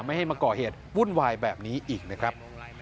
ไม่ให้มาก่อเหตุวุ่นวายแบบนี้อีกนะครับ